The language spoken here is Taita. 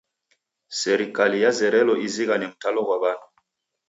Serikale yazerelo izighane mtalo ghwa w'andu.